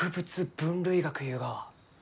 分類学いうがは。